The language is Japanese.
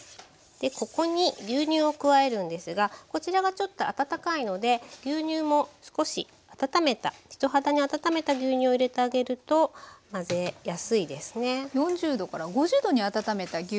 ここに牛乳を加えるんですがこちらがちょっと温かいので牛乳も少し温めた人肌に温めた牛乳を入れてあげると混ぜやすいですね。